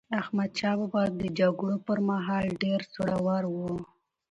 احمدشاه بابا د جګړو پر مهال ډېر زړور و.